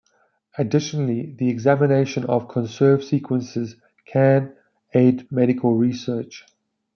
Additionally, the examination of conserved sequences can aid medical research.